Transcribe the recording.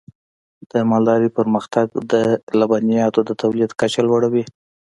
د مالدارۍ پرمختګ د لبنیاتو د تولید کچه لوړوي.